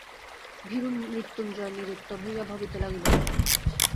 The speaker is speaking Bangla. ভীরু মৃত্যুঞ্জয় নিরুত্তর হইয়া ভাবিতে লাগিল।